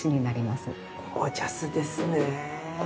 ゴージャスですね。